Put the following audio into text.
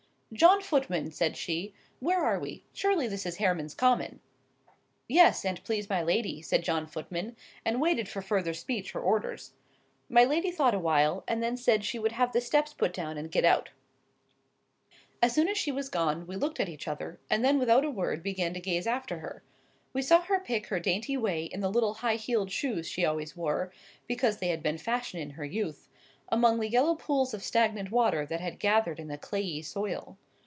"John Footman," said she, "where are we? Surely this is Hareman's Common." "Yes, an't please my lady," said John Footman, and waited for further speech or orders. My lady thought a while, and then said she would have the steps put down and get out. As soon as she was gone, we looked at each other, and then without a word began to gaze after her. We saw her pick her dainty way in the little high heeled shoes she always wore (because they had been in fashion in her youth), among the yellow pools of stagnant water that had gathered in the clayey soil.